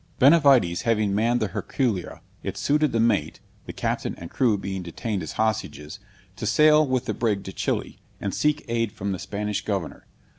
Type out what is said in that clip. Benavides having manned the Herculia, it suited the mate, (the captain and crew being detained as hostages,) to sail with the brig to Chili, and seek aid from the Spanish governor.